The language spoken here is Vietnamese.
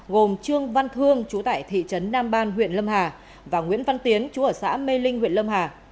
gồm trương văn thương chú tại thị trấn nam ban huyện lâm hà và nguyễn văn tiến chú ở xã mê linh huyện lâm hà